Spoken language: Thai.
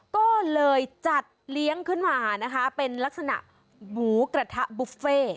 ก็เลยจัดเลี้ยงขึ้นมานะคะเป็นลักษณะหมูกระทะบุฟเฟ่